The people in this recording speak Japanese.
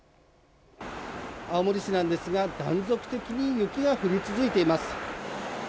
青森市内ですが、断続的に雪が降り続いています。